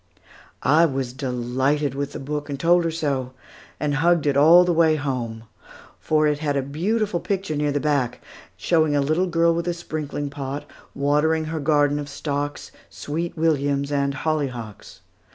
I was delighted with the book, and told her so, and hugged it all the way home; for it had a beautiful picture near the back, showing a little girl with a sprinkling pot, watering her garden of stocks, sweet williams, and hollyhocks.